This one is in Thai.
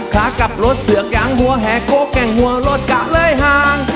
ค้ากับรถเสือกยางหัวแห่โกแก่งหัวรถกะเลยห่าง